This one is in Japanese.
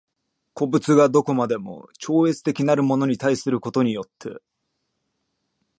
個物が何処までも超越的なるものに対することによって